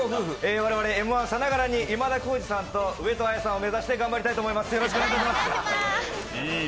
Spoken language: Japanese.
我々Ｍ−１さながらに、今田耕司さんと上戸彩さんを目指して頑張りたいと思います。